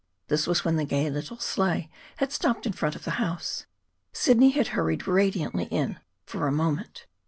This was when the gay little sleigh had stopped in front of the house. Sidney had hurried radiantly in for a moment.